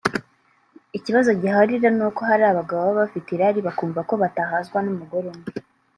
Ikibazo gihari rero nuko hari abagabo baba bafite irari bakumva ko batahazwa n’umugore umwe